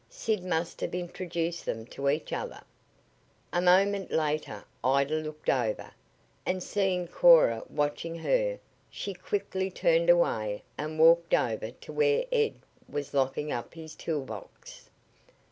"Sid must have introduced them to each other:" A moment later Ida looked over, and seeing Cora watching her, she quickly turned away and walked over to where Ed was locking up his toolbox.